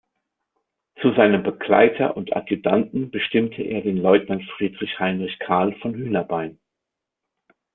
Zu seinem Begleiter und Adjutanten bestimmte er den Leutnant Friedrich Heinrich Karl von Hünerbein.